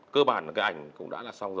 cơ bản cái ảnh cũng đã là xong rồi